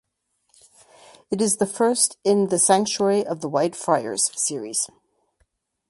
It is the first in "The Sanctuary of the White Friars" series.